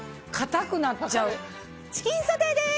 チキンソテーです！